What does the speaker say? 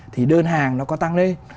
thì đơn hàng nó có tăng lên